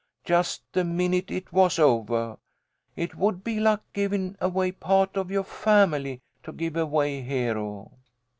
Just the minute it was ovah. It would be like givin' away part of your family to give away Hero."